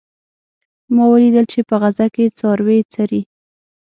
ما ولیدل چې په غره کې څاروي څري